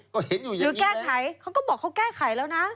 ก็เห็นอยู่อย่างงี้แหละหรือแก้ไขเขาก็บอกเขาแก้ไขแล้วน่ะ